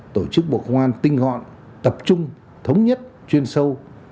tổ chức bộ công an tinh gọn tập trung thống nhất chuyên sâu